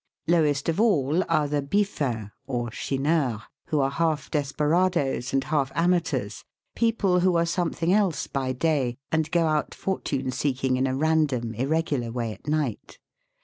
Lowest of all are the biffins^ or chineurs, who are half desperadoes and half amateurs, people who are something else by day, and go out fortune seeking in a random, irregular way at night.